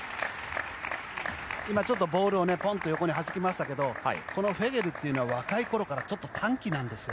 ちょっとボールをポンと横にはじきましたけどフェゲルっていうのは若いころから短気なんですよ。